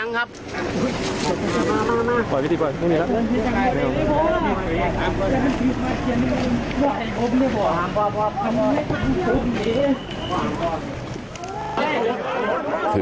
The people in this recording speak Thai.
ุ่งตัวเ